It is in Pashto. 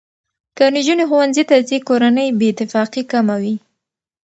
که نجونې ښوونځي ته ځي، کورنۍ بې اتفاقي کمه وي.